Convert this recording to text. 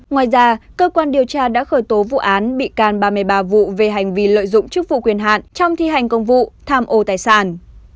ngoài ra cơ quan điều tra đã khởi tố vụ án bị can ba mươi ba vụ về hành vi lợi dụng chức vụ quyền hạn trong thi hành công vụ tham ô tài sản